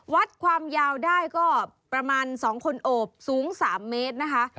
วัดความยาวได้ก็ประมาณ๒คนโอบสูง๓เมตรนะคะ